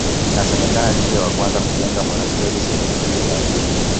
Inasemekana ndiye wa kwanza kujenga monasteri sehemu hiyo ya Afrika.